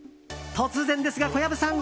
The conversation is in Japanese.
突然ですが、小籔さん。